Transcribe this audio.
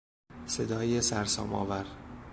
صدای سرسامآور